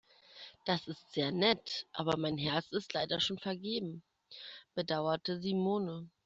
Das ist sehr nett, aber mein Herz ist leider schon vergeben, bedauerte Simone.